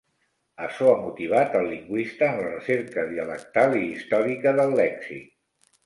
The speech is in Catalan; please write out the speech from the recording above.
Açò ha motivat el lingüista en la recerca dialectal i històrica del lèxic.